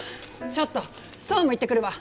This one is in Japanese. ちょっと総務行ってくるわ。